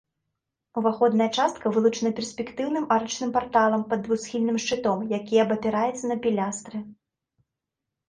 Уваходная частка вылучана перспектыўным арачным парталам пад двухсхільным шчытом, які абапіраецца на пілястры.